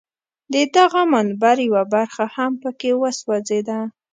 د دغه منبر یوه برخه هم په کې وسوځېده.